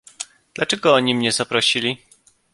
"„Dlaczego oni mnie zaprosili?"